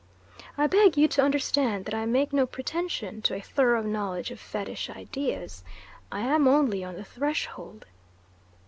I beg you to understand that I make no pretension to a thorough knowledge of Fetish ideas; I am only on the threshold.